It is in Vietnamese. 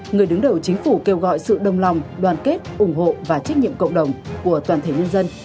người đứng đầu chính phủ kêu gọi sự đồng lòng đoàn kết ủng hộ và trách nhiệm cộng đồng của toàn thể nhân dân